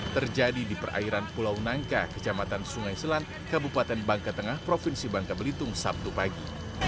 terjadi di perairan pulau nangka kecamatan sungai selan kabupaten bangka tengah provinsi bangka belitung sabtu pagi